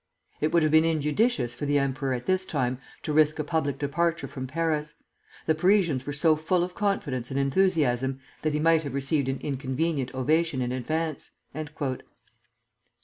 "It would have been injudicious for the emperor at this time to risk a public departure from Paris. The Parisians were so full of confidence and enthusiasm that he might have received an inconvenient ovation in advance."